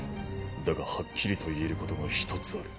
だがはっきりと言えることが一つある。